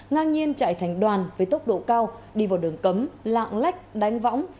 ngang nhiên chạy thành đoàn với tốc độ cao đi vào đường cấm lạng lách đánh võng